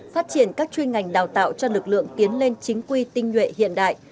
phát triển các chuyên ngành đào tạo cho lực lượng tiến lên chính quy tinh nhuệ hiện đại